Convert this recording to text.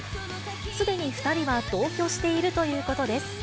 すでに２人は同居しているということです。